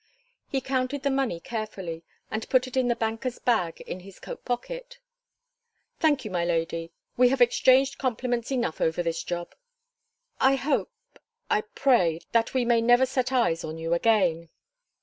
He counted the money carefully and put it in the banker's bag in his coat pocket. "Thank you, my lady. We have exchanged compliments enough over this job." "I hope I pray that we may never set eyes on you again."